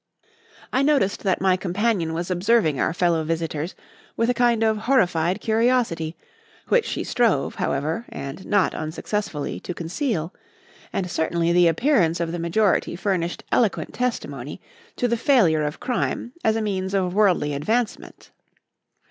I noticed that my companion was observing our fellow visitors with a kind of horrified curiosity, which she strove, however, and not unsuccessfully, to conceal; and certainly the appearance of the majority furnished eloquent testimony to the failure of crime as a means of worldly advancement.